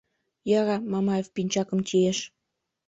Йӧра, — Мамаев пинчакым чийыш.